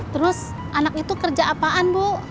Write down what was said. terus anak itu kerja apaan bu